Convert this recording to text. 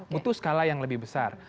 butuh skala yang lebih besar